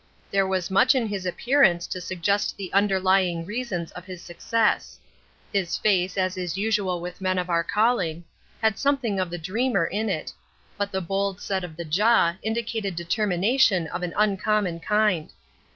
There was much in his appearance to suggest the underlying reasons of his success. His face, as is usual with men of our calling, had something of the dreamer in it, but the bold set of the jaw indicated determination of an uncommon kind.